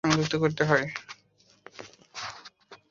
তার পরও কিছু আইসিটি যন্ত্রে আলাদা করে ল্যান কার্ড সংযুক্ত করতে হয়।